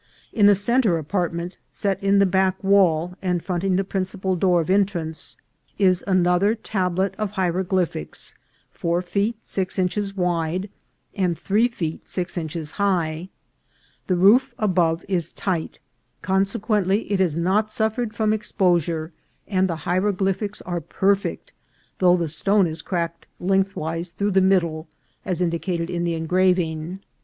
In the centre apart ment, set in the back wall, and fronting the principal door of entrance, is another tablet of hieroglyphics, four feet six inches wide and three feet six inches high. The roof above it is tight ; consequently it has not suf i ' Lrv i ""*,'^—. i >•»,•*»'*"'•%.. f ^, i *• ^rr5^t::Wfi3 ©• REMARKABLE HIEROGLYPHICS. 343 fered from exposure, and the hieroglyphics are perfect, though the stone is cracked lengthwise through the mid dle, as indicated in the engraving.